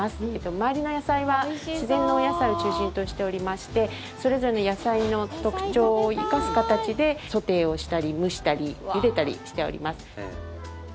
周りの野菜は、自然のお野菜を中心としておりましてそれぞれの野菜の特徴を生かす形でソテーをしたり、蒸したりゆでたりしております。